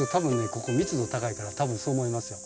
ここ密度高いから多分そう思いますよ。